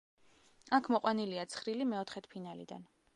აქ მოყვანილია ცხრილი მეოთხედფინალიდან.